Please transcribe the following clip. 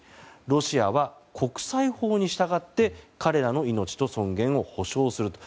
ロシアは国際法に従って彼らの命と尊厳を保証すると。